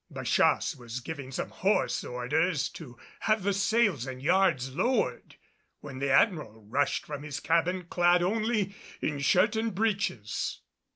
Bachasse was giving some hoarse orders to have the sails and yards lowered, when the Admiral rushed from his cabin clad only in shirt and breeches.